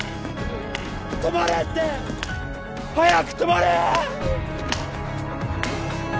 止まれって！早く止まれ！